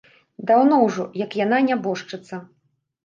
Даўно ўжо, як яна нябожчыца.